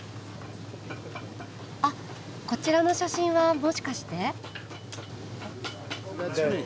あっこちらの写真はもしかして。